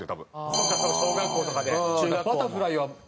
そうか小学校とかで中学校も。